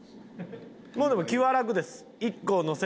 まあでも気は楽です。